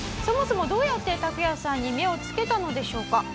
「そもそもどうやってタクヤさんに目をつけたのでしょうか？」